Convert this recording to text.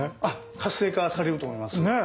活性化されると思います。